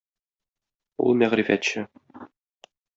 Ул - мәгърифәтче!